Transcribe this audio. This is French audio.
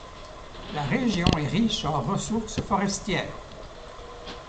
La région est riche en ressources forestières.